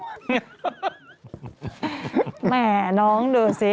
แหมน้องดูสิ